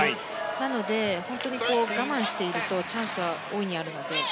なので、本当に我慢しているとチャンスは大いにあるので。